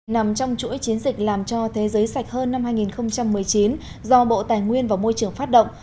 nằm trong chuỗi chiến dịch làm cho thế giới sạch hơn năm hai nghìn một mươi chín do bộ tài nguyên và môi trường phát động